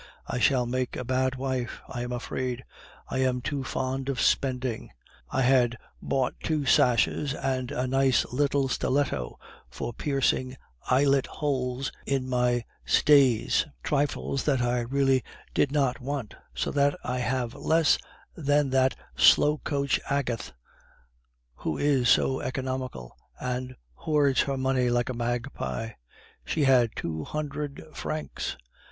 I shall make a bad wife, I am afraid, I am too fond of spending. I had bought two sashes and a nice little stiletto for piercing eyelet holes in my stays, trifles that I really did not want, so that I have less than that slow coach Agathe, who is so economical, and hoards her money like a magpie. She had two hundred francs!